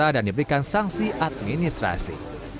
diberikan sanksi administrasi